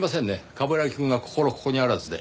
冠城くんが心ここにあらずで。